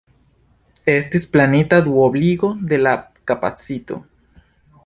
Estis planita duobligo de la kapacito.